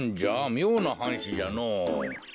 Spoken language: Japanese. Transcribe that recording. みょうなはんしじゃのぉ。